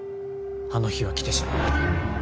あの日は来てしまう